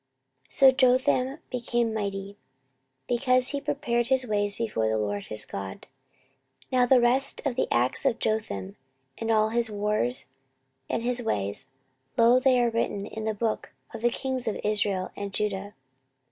14:027:006 So Jotham became mighty, because he prepared his ways before the LORD his God. 14:027:007 Now the rest of the acts of Jotham, and all his wars, and his ways, lo, they are written in the book of the kings of Israel and Judah.